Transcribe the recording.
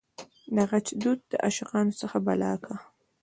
دغچ دود دعاشقانو څه بلا کا